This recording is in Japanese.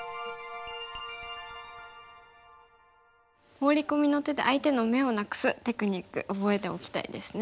ホウリコミの手で相手の眼をなくすテクニック覚えておきたいですね。